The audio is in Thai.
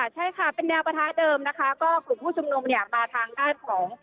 ใช่ค่ะเป็นแนวปะทะเดิมนะคะก็กลุ่มผู้ชุมนุมเนี่ยมาทางด้านของ